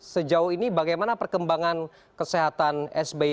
sejauh ini bagaimana perkembangan kesehatan sby